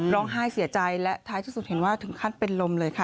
ร้องไห้เสียใจและท้ายที่สุดเห็นว่าถึงขั้นเป็นลมเลยค่ะ